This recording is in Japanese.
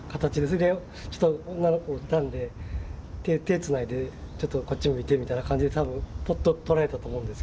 それでちょっと女の子いたんで手つないでちょっとこっち向いてみたいな感じで多分ぽっと撮られたと思うんですけど。